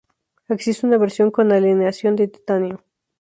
Existe una versión con aleación de titanio.